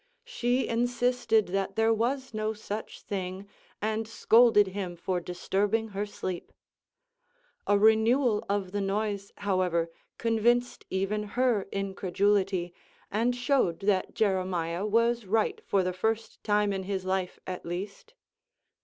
She insisted that there was no such thing, and scolded him for disturbing her sleep. A renewal of the noise, however, convinced even her incredulity, and showed that Jeremiah was right for the first time in his life, at least.